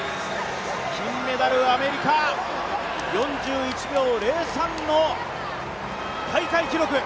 金メダルアメリカ４１秒０３の大会記録。